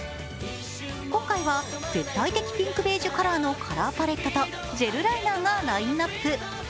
今回は絶対的ピンクベージュカラーのカラーパレットとジェルライナーがラインナップ。